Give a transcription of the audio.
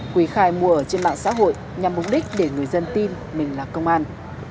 quý khai mua ở trên mạng xã hội nhằm mục đích để người dân tin mình là công an